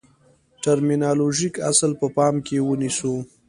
ټرمینالوژیک اصل په پام کې ونیسو.